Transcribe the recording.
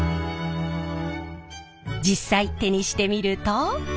実際手にしてみると。